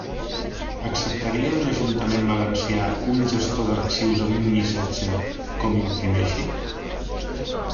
Acceptaria un ajuntament valencià un gestor d'arxius amb un missatge com imprimeixi?